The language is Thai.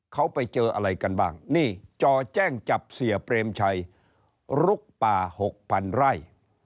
เขาไปเจออะไรกันบ้างนี่จอแจ้งจับเสียเปรมชัยลุกป่า๖๐๐๐ไร่